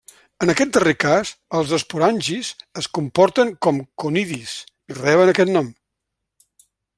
En aquest darrer cas, els esporangis es comporten com conidis i reben aquest nom.